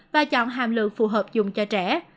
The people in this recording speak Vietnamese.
và chọn hàm lượng phù hợp dùng cho trẻ